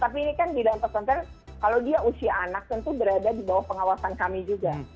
tapi ini kan di dalam pesantren kalau dia usia anak tentu berada di bawah pengawasan kami juga